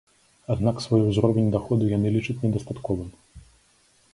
Аднак свой узровень даходу яны лічаць недастатковым.